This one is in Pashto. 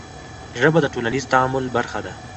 ژبه د ټولنیز تعامل برخه ده.